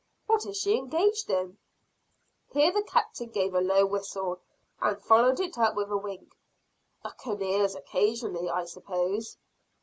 "What is she engaged in?" Here the captain gave a low whistle, and followed it up with a wink. "Buccaneers occasionally, I suppose?"